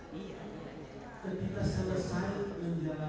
hanya terdiri di istana bu saja